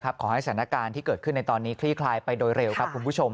ขอให้สถานการณ์ที่เกิดขึ้นในตอนนี้คลี่คลายไปโดยเร็วครับคุณผู้ชม